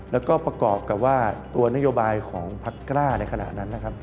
แล้วก็ประกอบกับว่าตัวนโยบายของพักกล้าในขณะนั้นนะครับ